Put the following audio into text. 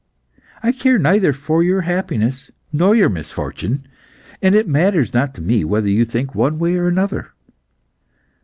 I care neither for your happiness nor your misfortune, and it matters not to me whether you think one way or another.